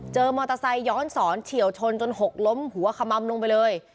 เจอมอเตอร์ไซต์ย้อนศรเฉียวชนจนหกล้มหัวคำม้ำลงไปเลย